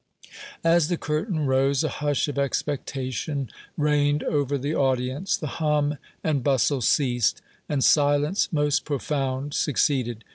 As the curtain rose a hush of expectation reigned over the audience. The hum and bustle ceased, and silence most profound succeeded.